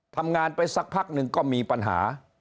ทำงานไปสักพักหนึ่งก็มีปัญหา